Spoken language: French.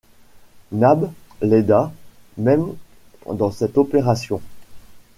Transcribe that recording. Nab l’aida même dans cette opération.